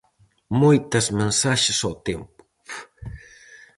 Moitas mensaxes ao tempo.